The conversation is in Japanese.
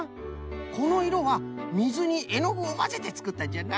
このいろはみずにえのぐをまぜてつくったんじゃな！